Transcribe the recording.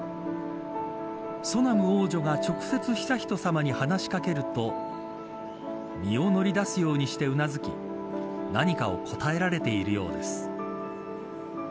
ソナム王女が、直接悠仁さまに話し掛けると身を乗り出すようにしてうなずき何かを答えられているようです。